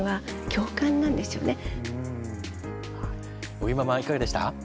尾木ママいかがでした？